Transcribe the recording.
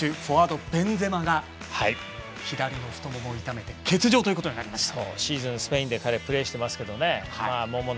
フォワード、ベンゼマが左の太ももをいためて欠場ということになりました。